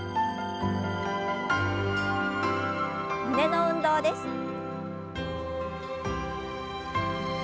胸の運動です。